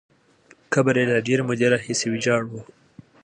قبر یې له ډېرې مودې راهیسې ویجاړ وو.